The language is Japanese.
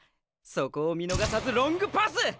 そこを見逃さずロングパス！